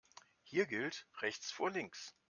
Hier gilt rechts vor links.